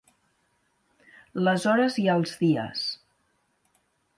Les hores i els dies